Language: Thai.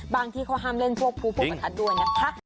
ที่เขาห้ามเล่นพวกภูพวกประทัดด้วยนะคะ